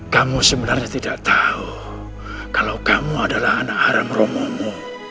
kamu sebenarnya tidak tahu kalau kamu adalah anak haram romo